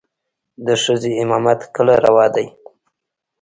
د ښځې امامت کله روا دى.